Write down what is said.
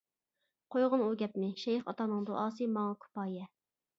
-قويغىن ئۇ گەپنى، شەيخ ئاتاڭنىڭ دۇئاسى ماڭا كۇپايە.